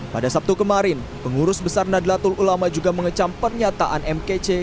pada sabtu kemarin pengurus besar nadlatul ulama juga mengecam pernyataan mkc